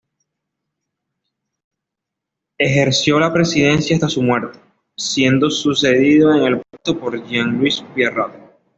Ejerció la presidencia hasta su muerte, siendo sucedido en el puesto por Jean-Louis Pierrot.